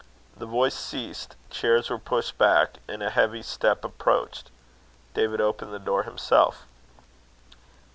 The voice ceased, chairs were pushed back, and a heavy step approached. David opened the door himself.